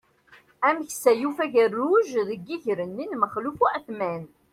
Ameksa yufa agerruj deg iger-nni n Maxluf Uεetman.